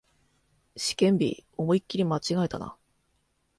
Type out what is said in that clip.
試験日、思いっきり間違えたな